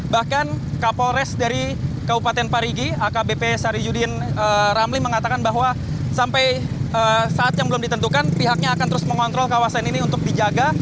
bahkan kapolres dari kabupaten parigi akbp sari yudin ramli mengatakan bahwa sampai saat yang belum ditentukan pihaknya akan terus mengontrol kawasan ini untuk dijaga